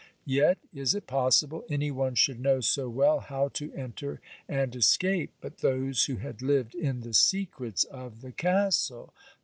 Yet is it possible any one should know so well how to enter and escape, but those who had lived in the secrets of the castle?